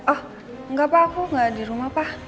oh gak pak aku gak dirumah pak